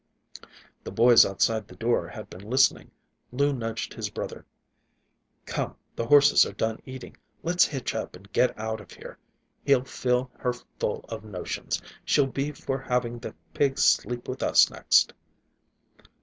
The boys outside the door had been listening. Lou nudged his brother. "Come, the horses are done eating. Let's hitch up and get out of here. He'll fill her full of notions. She'll be for having the pigs sleep with us, next."